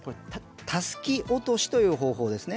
たすき落としという方法です。